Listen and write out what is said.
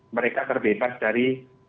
mereka terbebas dari